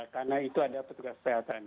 karena itu ada petugas kesehatan